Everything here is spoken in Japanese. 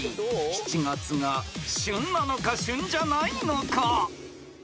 ［７月が旬なのか旬じゃないのか？］